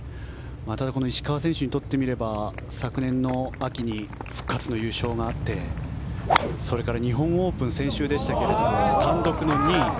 石川選手にとってみれば昨年の秋に復活の優勝があってそれから日本オープン先週でしたが単独の２位。